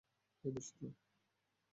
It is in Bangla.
এই, দোস্ত!